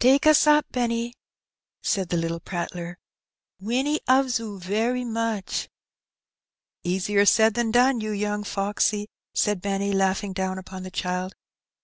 "Take us up, 'enny/' said the little prattler; "Winnie 'oves 'oo very much." ^^ Easier said than done, you young foxy," said Benny, laughing down upon the child.